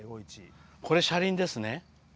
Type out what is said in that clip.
これ、車輪ですよ。